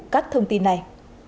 các thông tin này